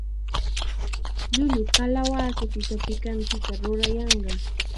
Llullu kalawasapita pikantita rurayanqa.